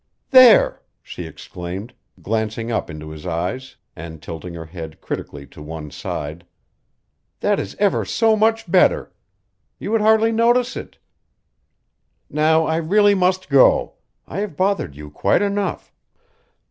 "There!" she exclaimed, glancing up into his eyes and tilting her head critically to one side. "That is ever so much better. You would hardly notice it. Now I really must go. I have bothered you quite enough."